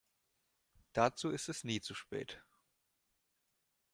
Dazu ist es nie zu spät.